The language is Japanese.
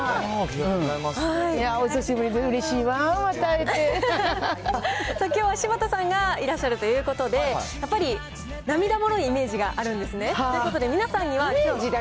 いやー、お久しぶりでうれしさあ、きょうは柴田さんがいらっしゃるということで、やっぱり涙もろいイメージがあるんですね。ということで、皆さんには。